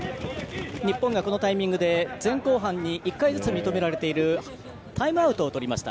日本がこのタイミングで前後半１回ずつ認められているタイムアウトをとりました。